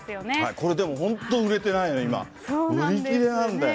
これでも、本当、売れて、ないの、売り切れなんだよな。